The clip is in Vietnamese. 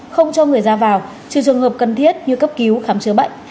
không cho người ra vào trừ trường hợp cần thiết như cấp cứu khám chữa bệnh